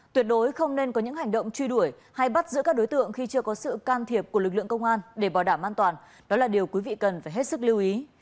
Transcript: tuyệt đối không nên có những hành động truy đuổi hay bắt giữ các đối tượng khi chưa có sự can thiệp của lực lượng công an để bảo đảm an toàn đó là điều quý vị cần phải hết sức lưu ý